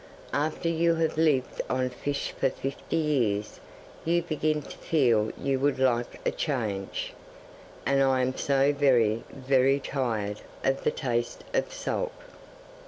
'After you have lived on fish for fifty years you begin to feel you would like a change. And I am so very, very tired of the taste of salt.